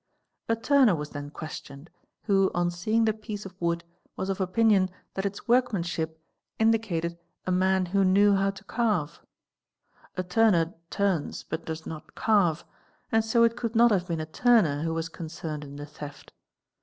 A turner was then questioned, ¥ on seeing the piece of wood was of opinion that its workmanship indica | GENERAL CONSIDERATIONS 153 man who knew how to carve. A turner turns but does not carve, and so it could not have been a turner who was concerned in the theft.